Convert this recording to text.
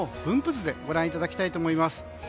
図でご覧いただきたいと思います。